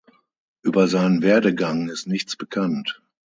Über seinen Werdegang ist nichts bekannt.